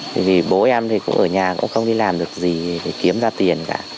bởi vì bố em thì ở nhà cũng không đi làm được gì để kiếm ra tiền cả